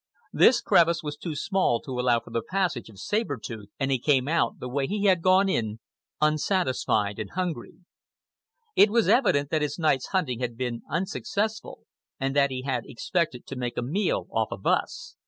This crevice was too small to allow for the passage of Saber Tooth, and he came out the way he had gone in, unsatisfied and angry. It was evident that his night's hunting had been unsuccessful and that he had expected to make a meal off of us.